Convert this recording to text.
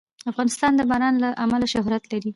افغانستان د باران له امله شهرت لري.